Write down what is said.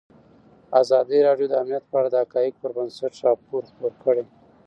ازادي راډیو د امنیت په اړه د حقایقو پر بنسټ راپور خپور کړی.